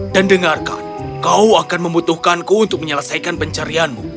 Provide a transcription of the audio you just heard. dan dengarkan kau akan membutuhkanku untuk menyelesaikan pencarianmu